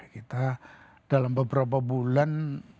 kita dalam beberapa bulan